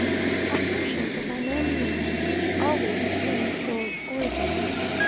Apparitions are by no means always of human soul origin.